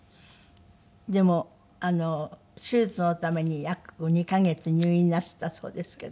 でも手術のために約２カ月入院なすったそうですけど。